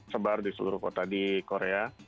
sebar di seluruh kota di korea